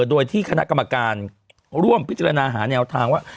โดยที่คณะกรรมการร่วมพิจารณาหาแนวทางว่า